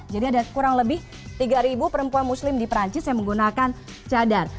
jadi ada kurang lebih tiga perempuan muslim di perancis yang menggunakan cadar